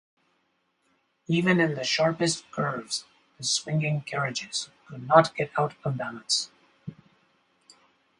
Even in the sharpest curves the swinging carriages could not get out of balance.